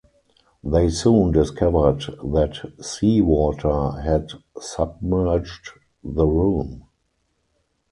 They soon discovered that seawater had submerged the room.